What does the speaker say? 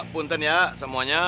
punten ya semuanya